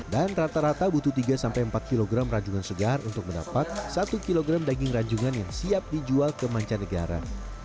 dan rata rata butuh tiga empat kg ranjungan segar untuk mendapat satu kg daging ranjungan yang siap dijual ke mancanegara